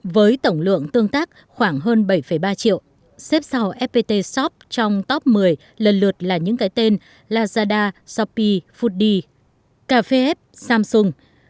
với tổng lượng tương tác khoảng hơn bảy ba triệu xếp sau fpt shop trong top một mươi lần lượt là những cái tên lazada shopee foodie café f samsung